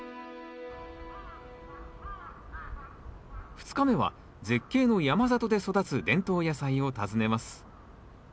２日目は絶景の山里で育つ伝統野菜を訪ねます